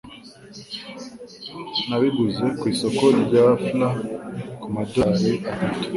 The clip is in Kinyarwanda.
Nabiguze ku isoko rya fla kumadorari atatu.